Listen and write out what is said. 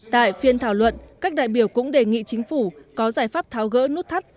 tại phiên thảo luận các đại biểu cũng đề nghị chính phủ có giải pháp tháo gỡ nút thắt